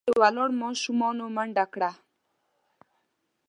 په دروازه کې ولاړو ماشومانو منډه کړه.